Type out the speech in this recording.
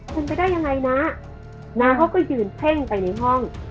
ไปทำยังไงนะน้าเขาก็ยืนเห้งไปในห้อง